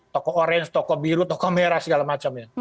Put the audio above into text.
toko orange toko biru toko kamera segala macam ya